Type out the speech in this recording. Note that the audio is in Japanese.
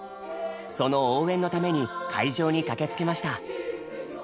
その応援のために会場に駆けつけました。